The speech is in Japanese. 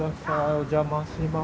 お邪魔します。